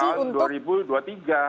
dan kita tunggu tahun dua ribu dua puluh tiga